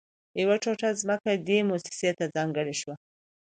يوه ټوټه ځمکه دې مؤسسې ته ځانګړې شوه